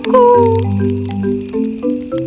aku adalah fiona